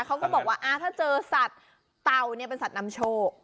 เขาก็บอกว่าถ้าเจอสัตว์เตาเนี่ยเป็นสัตว์นำโชค